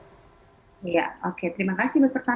iya oke terima kasih buat pertanyaan